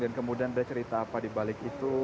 dan kemudian bercerita apa di balik itu